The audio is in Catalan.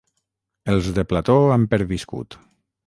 Els de Plató han perviscut.